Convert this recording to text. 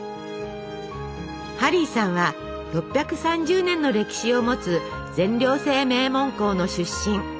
ハリーさんは６３０年の歴史をもつ全寮制名門校の出身。